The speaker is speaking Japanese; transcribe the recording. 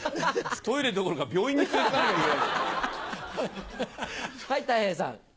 トイレどころか、病院に連れはい、たい平さん。